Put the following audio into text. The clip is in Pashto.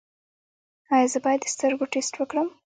ایا زه باید د سترګو ټسټ وکړم؟